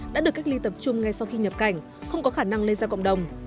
đã được cách ly tập trung ngay sau khi nhập cảnh không có khả năng lây ra cộng đồng